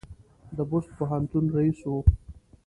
د بُست پوهنتون رییس و.